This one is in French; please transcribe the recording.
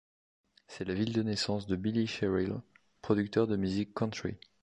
C'est la ville de naissance de Billy Sherrill, producteur de musique country.